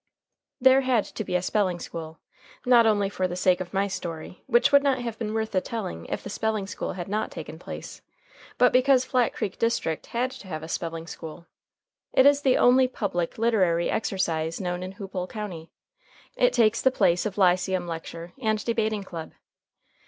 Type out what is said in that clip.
There had to be a spelling school. Not only for the sake of my story, which would not have been worth the telling if the spelling school had not taken place, but because Flat Creek district had to have a spelling school. It is the only public literary exercise known in Hoopole County. It takes the place of lyceum lecture and debating club.